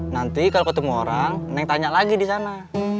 nanti kalau ketemu orang neng tanya lagi disana